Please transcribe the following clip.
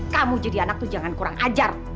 kamu jadi anak tuh jangan kurang ajar